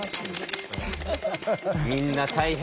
みんな大変。